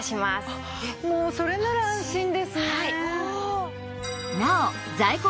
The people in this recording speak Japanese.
あっもうそれなら安心ですね。